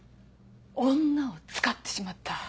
「女」を使ってしまった。